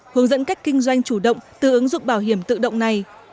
hướng dẫn cách kinh doanh chủ động từ ứng dụng bảo hiểm tự động này